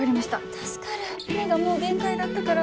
助かる目がもう限界だったから。